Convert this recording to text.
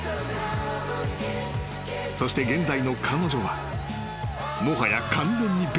［そして現在の彼女はもはや完全に別人］